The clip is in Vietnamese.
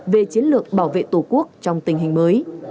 về chiến lược bảo vệ tổ quốc trong tình hình mới